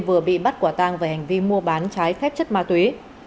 vừa bị bắt quả tang về hành vi mua bán trái phép chất ma túy